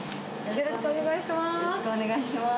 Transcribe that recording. よろしくお願いします。